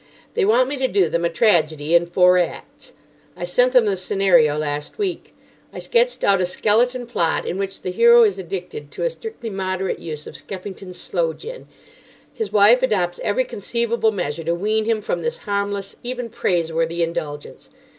They want me to do them a tragedy in four acts. I sent them the scenario last week. I sketched out a skeleton plot in which the hero is addicted to a strictly moderate use of Skeffington's Sloe Gin. His wife adopts every conceivable measure to wean him from this harmless, even praiseworthy indulgence.